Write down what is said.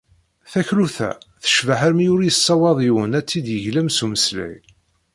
Taklut-a tecbeḥ armi ur yessawaḍ yiwen ad tt-id-yeglem s umeslay.